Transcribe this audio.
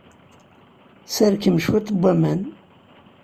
Sserkem cwiṭ n waman.